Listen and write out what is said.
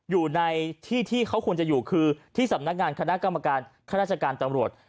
อยู่ในที่ที่เขาควรจะอยู่คือที่สำนักงานคณะกรรมการข้าราชการตำรวจ